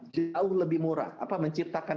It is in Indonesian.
jauh lebih murah menciptakan